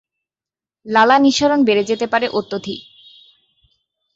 লালা নিঃসরণ বেড়ে যেতে পারে অত্যধিক।